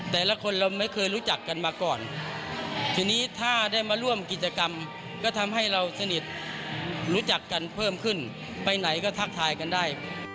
แต่ละคนเราไม่เคยรู้จักกันมาก่อนทีนี้ถ้าได้มาร่วมกิจกรรมก็ทำให้เราสนิทรู้จักกันเพิ่มขึ้นไปไหนก็ทักทายกันได้